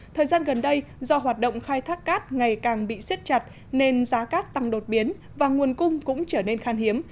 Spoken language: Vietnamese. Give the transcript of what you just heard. thời gian gần đây do hoạt động khai thác cát ngày càng bị siết chặt nên giá cát tăng đột biến và nguồn cung cũng trở nên khan hiếm